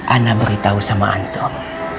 ana beritahu sama antum